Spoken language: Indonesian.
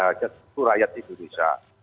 hajat seluruh rakyat indonesia